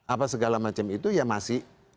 apa segala macam itu ya masih